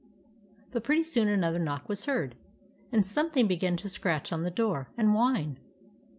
But pretty soon another knock was heard, and something began to scratch on the door, and whine.